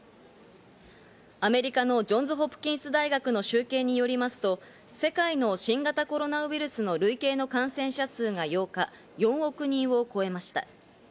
アメリカのジョンズ・ホプキンス大学の集計によりますと、世界の新型コロナウイルスの累計の感染者数が８日、４億人を超えました。